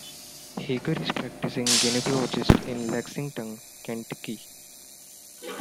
Hager is a practicing gynecologist in Lexington, Kentucky.